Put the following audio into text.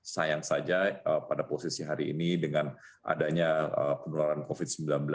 sayang saja pada posisi hari ini dengan adanya penularan covid sembilan belas